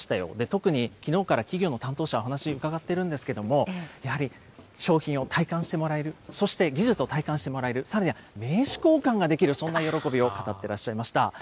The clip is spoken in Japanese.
特にきのうから企業の担当者のお話、伺っているんですけれども、やはり商品を体感してもらえる、そして技術を体感してもらえる、さらには名刺交換ができる、そんな喜びを語ってらっしゃいました。